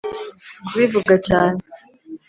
kubivuga cyane.